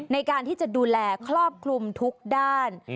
ในการที่จะดูแลครอบคลุมทุกด้าน